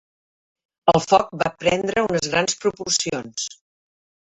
El foc va prendre unes grans proporcions.